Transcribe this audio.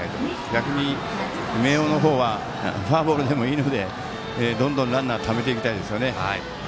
逆に明桜の方はフォアボールでもいいのでどんどんランナーをためていきたいですよね。